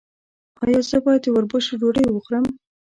ایا زه باید د وربشو ډوډۍ وخورم؟